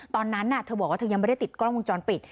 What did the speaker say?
ตอนนั้นเธอบอกว่าเธอยังไม่ได้ติดกล้องวงจรปิด